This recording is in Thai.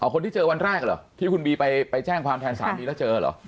คนที่เจอวันแรกเหรอที่คุณบีไปแจ้งความแทนสามีแล้วเจอเหรอ